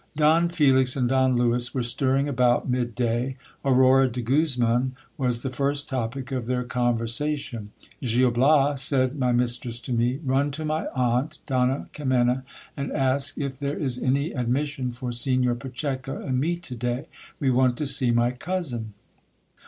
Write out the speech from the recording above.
Don Felix and Don Lewis were stirring about mid day. Aurora de Guzman was the first topic of their conversation. Gil Bias, said my mistress to me, run to my aunt, Donna Kimena, and ask if there is any admission for Signor Pacheco and me to day, we want to see my cousin.